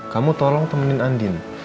kamu tolong temenin andin